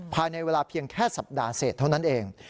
ภายในเวลาเพียงแค่สัปดาห์เสร็จเท่านั้นเอง